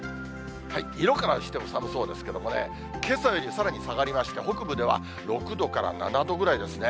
色からしても寒そうですけれどもね、けさよりさらに下がりまして、北部では６度から７度ぐらいですね。